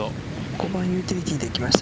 ５番ユーティリティーでいきました。